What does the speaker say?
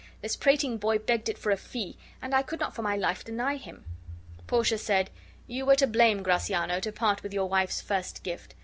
This prating boy begged it for a fee, and I could not for my life deny him." Portia said: "You were to blame, Gratiano, to part with your wife's first gift.